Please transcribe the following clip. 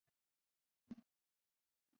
据说宋孝宗读该书后大悦。